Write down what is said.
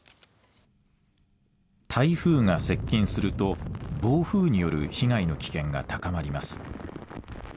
台風が接近すると暴風による被害の危険が高まります。